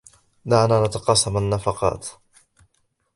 دعنا نتقاسم النفقات.